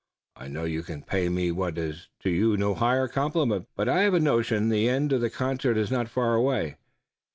"I know you can pay me what is to you no higher compliment, but I have a notion the end of the concert is not far away.